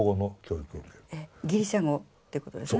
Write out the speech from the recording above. ギリシャ語っていうことですね。